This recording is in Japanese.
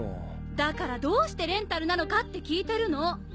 だからどうしてレンタルなのかって聞いてるの。